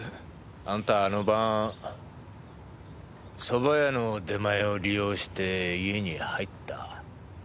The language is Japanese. あんたあの晩そば屋の出前を利用して家に入った。